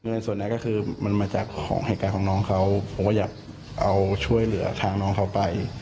เงินส่วนนั้นก็คือมันมาจากของเหตุการณ์ของน้องเขาผมก็อยากเอาช่วยเหลือทางน้องเขาไป